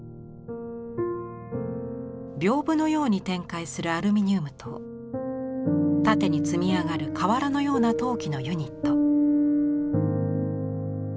屏風のように展開するアルミニウムと縦に積み上がる瓦のような陶器のユニット。